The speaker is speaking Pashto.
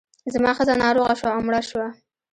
زما ښځه ناروغه شوه او مړه شوه.